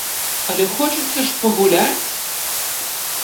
Але хочацца ж пагуляць!